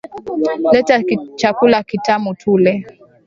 Leta chakula kitamu tule